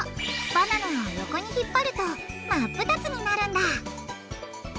バナナは横にひっぱると真っ二つになるんだ！